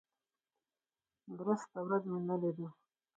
درسته ورځ مې نه لیدو.